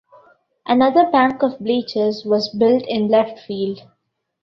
Another bank of bleachers was built in left field.